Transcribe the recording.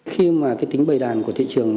khi mà cái tính bày đàn của thị trường